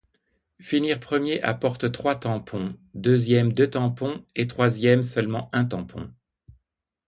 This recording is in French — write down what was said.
Finir premier apporte trois tampons, deuxième deux tampons et troisième seulement un tampon.